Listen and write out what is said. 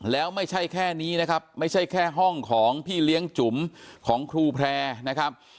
แล้วไม่ใช่แค่นี้นะครับไม่ใช่แค่ห้องของพี่เลี้ยงจุ๋มของครูแพร่นะครับ